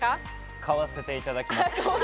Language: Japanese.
買わせていただきます。